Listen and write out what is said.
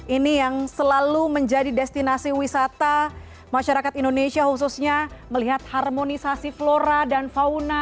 ini yang selalu menjadi destinasi wisata masyarakat indonesia khususnya melihat harmonisasi flora dan fauna